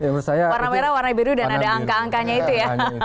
warna merah warna biru dan ada angka angkanya itu ya